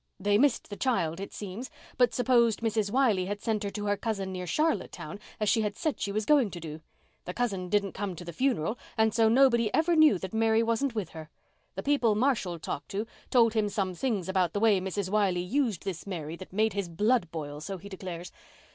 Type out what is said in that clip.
They missed the child, it seems, but supposed Mrs. Wiley had sent her to her cousin near Charlottetown as she had said she was going to do. The cousin didn't come to the funeral and so nobody ever knew that Mary wasn't with her. The people Marshall talked to told him some things about the way Mrs. Wiley used this Mary that made his blood boil, so he declares.